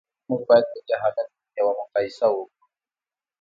موږ باید په دې حالت کې یوه مقایسه وکړو